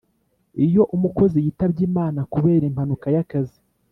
iyo umukozi yitabye imana kubera impanuka y‟akazi